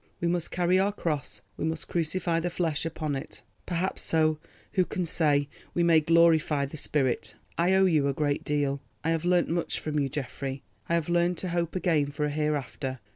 We must carry our cross, we must crucify the flesh upon it; perhaps so—who can say?—we may glorify the spirit. I owe you a great deal. I have learnt much from you, Geoffrey. I have learned to hope again for a Hereafter.